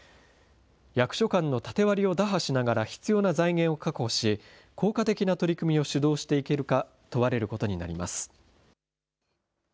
役所間の縦割りを打破しながら必要な財源を確保し、効果的な取り組みを主導していけるか問われることになります。